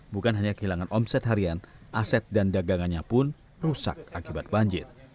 bukan hanya kehilangan omset harian aset dan dagangannya pun rusak akibat banjir